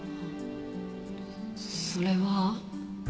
それは。